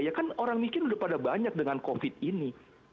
ya kan orang miskin udah pada banyak dengan covid ini